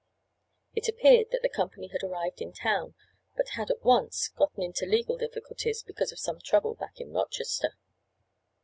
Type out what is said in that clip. It appeared that the company had arrived in town, but had at once gotten into legal difficulties because of some trouble back in Rochester.